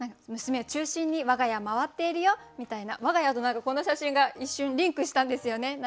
娘を中心に我が家回っているよみたいな我が家とこの写真が一瞬リンクしたんですよね。